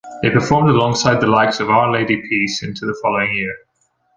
They performed alongside the likes of Our Lady Peace into the following year.